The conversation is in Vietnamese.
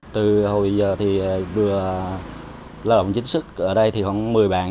từ hồi giờ thì vừa lao động chính sức ở đây thì khoảng một mươi bạn